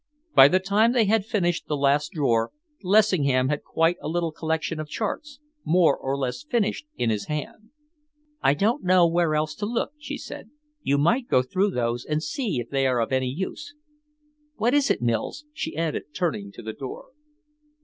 By the time they had finished the last drawer, Lessingham had quite a little collection of charts, more or less finished, in his hand. "I don't know where else to look," she said. "You might go through those and see if they are of any use. What is it, Mills?" she added, turning to the door.